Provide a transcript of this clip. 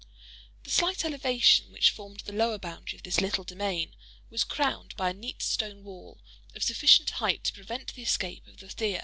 The slight elevation which formed the lower boundary of this little domain, was crowned by a neat stone wall, of sufficient height to prevent the escape of the deer.